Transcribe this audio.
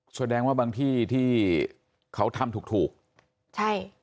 ส่วนแรงว่าบางที่ที่เขาทำถูกใช่